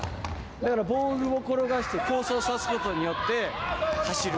だからボールを転がして競争させることによって、走る。